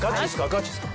ガチですか？